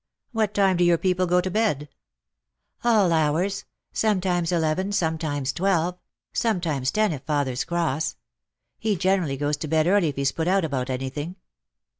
" What time do your people go to bed ?" "All hours; sometimes eleven, sometimes twelve ; sometimes ten, if father's cross. He generally goes to bed early if he's put out about anything."